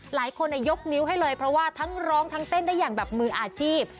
หลายคนยกนิ้วให้เลยเพราะว่าทั้งร้องทั้งเต้นได้อย่างแบบมืออาชีพ